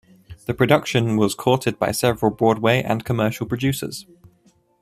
The production was courted by several Broadway and commercial producers.